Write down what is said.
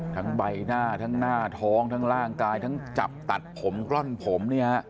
ใบหน้าทั้งหน้าท้องทั้งร่างกายทั้งจับตัดผมกล้อนผมเนี่ยฮะ